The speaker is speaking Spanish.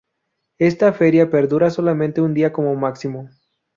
Esta feria perdura solamente un día como máximo.